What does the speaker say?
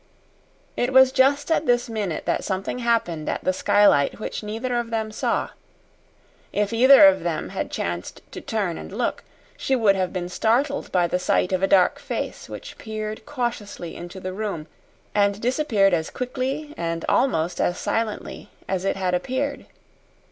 It was just at this minute that something happened at the skylight which neither of them saw. If either of them had chanced to turn and look, she would have been startled by the sight of a dark face which peered cautiously into the room and disappeared as quickly and almost as silently as it had appeared.